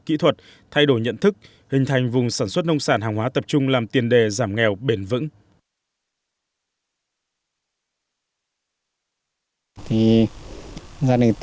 kỹ thuật thay đổi nhận thức hình thành vùng sản xuất nông sản hàng hóa tập trung làm tiền đề giảm nghèo bền vững